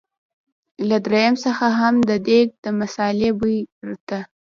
له دريم څخه هم د دېګ د مثالې بوی ته.